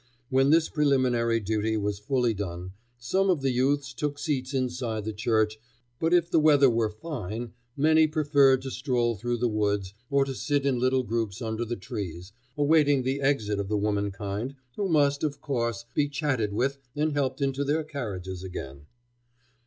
When this preliminary duty was fully done, some of the youths took seats inside the church, but if the weather were fine many preferred to stroll through the woods, or to sit in little groups under the trees, awaiting the exit of the womankind, who must, of course, be chatted with and helped into their carriages again.